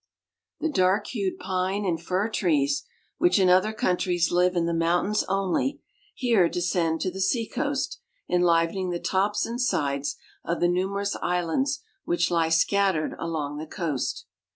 The dark hued pine and fir trees, which in other countries live in the mountains only, here descend to the sea coast, enlivening the tops and sides of the numerous islands which lie scattered along the coast.